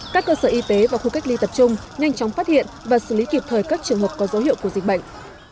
các cơ sở y tế và khu cách ly tập trung nhanh chóng phát hiện và xử lý kịp thời các trường hợp có dấu hiệu của dịch bệnh